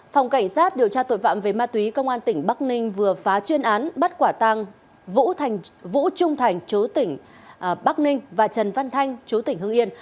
phòng cảnh sát điều tra tội vạm về ma túy công an tp bắc ninh vừa phá chuyên án bắt quả tăng vũ trung thành chú tỉnh bắc ninh và trần văn thanh chú tỉnh hương yên